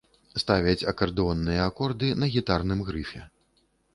Ставяць акардэонныя акорды на гітарным грыфе.